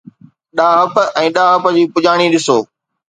ڏاهپ ۽ ڏاهپ جي پڄاڻي ڏسو.